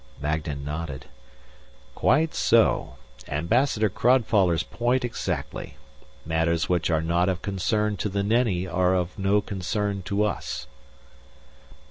Magnan nodded. "Quite so. Ambassador Crodfoller's point exactly. Matters which are not of concern to the Nenni are of no concern to us."